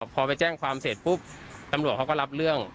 พอไปแจ้งความเสร็จปุ๊บตำรวจเขาก็รับเรื่อง